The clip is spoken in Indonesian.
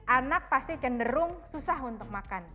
anak pasti cenderung susah untuk makan